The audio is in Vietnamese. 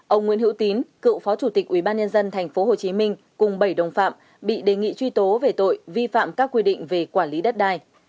ông nguyễn hữu tín cựu phó chủ tịch ubnd tp hcm cùng bảy đồng phạm bị đề nghị truy tố về tội vi phạm các quy định về quản lý đất đai